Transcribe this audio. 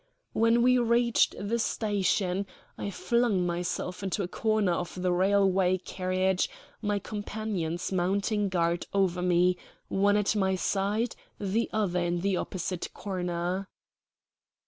When we reached the station, I flung myself into a corner of the railway carriage, my companions mounting guard over me, one at my side, the other in the opposite corner.